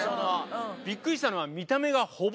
びっくりしたのは。